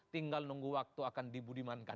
tinggal nunggu waktu akan dibudimankan